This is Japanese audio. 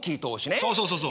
そうそうそうそう。